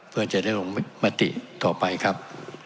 เพื่อจะได้ลงมติต่อไปครับ